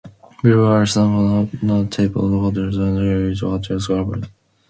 Below are some notable hotels that "Great Hotels" covered.